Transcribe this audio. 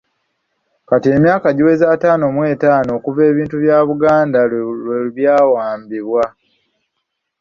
Kati emyaka giweze ataano mu etaano okuva ebintu bya Buganda lwe byawambibwa.